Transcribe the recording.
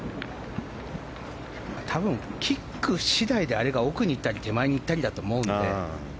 多分、キック次第であれが奥に行ったり手前に行ったりだと思うので。